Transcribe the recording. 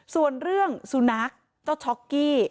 ส่วนเรื่องสุนัขเจ้าช็อกกี้